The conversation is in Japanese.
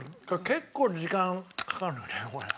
結構時間かかるよねこれ。